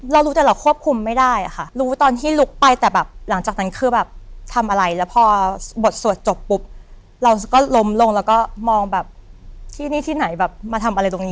เรารู้แต่เราควบคุมไม่ได้อะค่ะรู้ตอนที่ลุกไปแต่แบบหลังจากนั้นคือแบบทำอะไรแล้วพอบทสวดจบปุ๊บเราก็ล้มลงแล้วก็มองแบบที่นี่ที่ไหนแบบมาทำอะไรตรงนี้